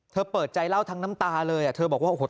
เปิดใจเล่าทั้งน้ำตาเลยเธอบอกว่าโอ้โห